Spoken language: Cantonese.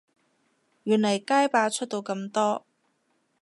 原來街霸出到咁多